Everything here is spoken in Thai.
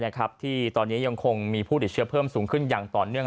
ที่ตอนนี้ยังคงมีผู้ติดเชื้อเพิ่มสูงขึ้นอย่างต่อเนื่อง